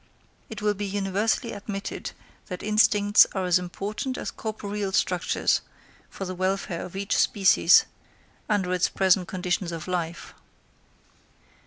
It will be universally admitted that instincts are as important as corporeal structures for the welfare of each species, under its present conditions of life.